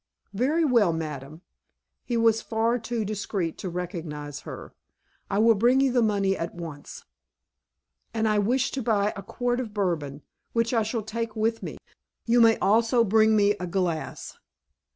"Very well, madame." (He was far too discreet to recognize her.) "I will bring you the money at once." "And I wish to buy a quart of Bourbon, which I shall take with me. You may also bring me a glass."